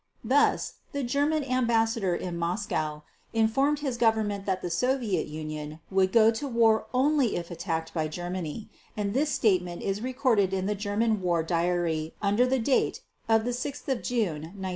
Thus, the German Ambassador in Moscow informed his Government that the Soviet Union would go to war only if attacked by Germany, and this statement is recorded in the German War Diary under the date of 6 June 1941.